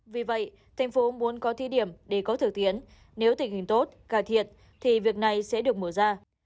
vì vậy tp hcm muốn có thí điểm để có thực tiến nếu tình hình tốt cải thiện thì việc này sẽ được mở ra